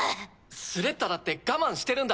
スレッタだって我慢してるんだ。